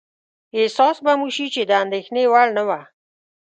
احساس به مو شي چې د اندېښنې وړ نه وه.